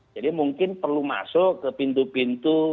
jadi mungkin perlu masuk ke pintu pintu